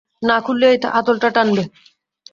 না খুললে এই হাতলটা টানবে।